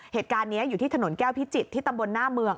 เหตุการณ์นี้อยู่ที่ถนนแก้วพิจิตรที่ตำบลหน้าเมือง